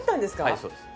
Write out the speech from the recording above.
はいそうです。